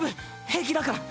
平気だから。